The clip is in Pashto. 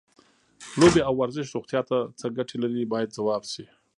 لوبې او ورزش روغتیا ته څه ګټې لري باید ځواب شي.